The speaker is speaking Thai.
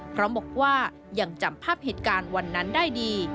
พร้อมบอกว่ายังจำภาพเหตุการณ์วันนั้นได้ดี